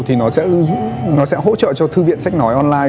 thì nó sẽ hỗ trợ cho thư viện sách nói online